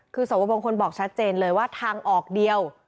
คือสวบมงคลบอกชัดเจนเลยว่าทางออกเดียว